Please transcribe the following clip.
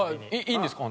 いいんですか？